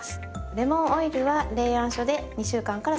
レモンオイルは冷暗所で２週間から３週間。